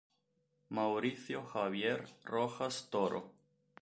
Mauricio Javier Rojas Toro